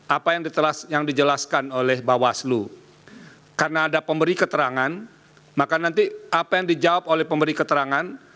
apa yang dijelaskan oleh bawaslu karena ada pemberi keterangan maka nanti apa yang dijawab oleh pemberi keterangan